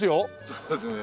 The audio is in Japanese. そうですね。